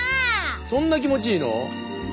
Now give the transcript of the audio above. そんな気持ちいいの？